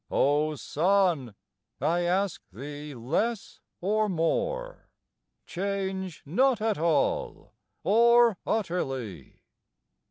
O Sun! I ask thee less or more, Change not at all, or utterly!